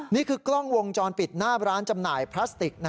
นี่คือกล้องวงจรปิดหน้าร้านจำหน่ายพลาสติก